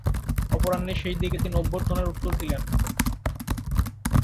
অপরাহ্নের শেষদিকে তিনি অভ্যর্থনার উত্তর দিলেন।